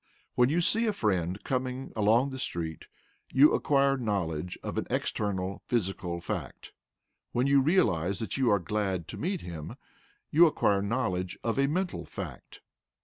When you see a friend coming along the street, you acquire knowledge of an external, physical fact; when you realize that you are glad to meet him, you acquire knowledge of a mental fact.